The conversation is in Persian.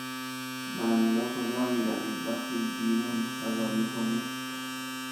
معمولا کجا می روید وقتی بیرون غذا می خورید؟